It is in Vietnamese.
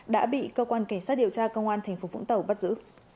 đã bị cơ quan cảnh sát điều tra công an thành phố vũng tàu bắt giữ